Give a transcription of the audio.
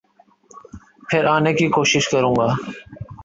پھر آنے کی کوشش کروں گا۔